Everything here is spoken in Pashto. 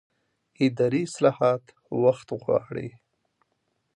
اداري اصلاح وخت غواړي